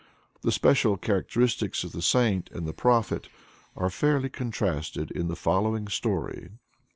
The special characteristics of the Saint and the Prophet are fairly contrasted in the following story.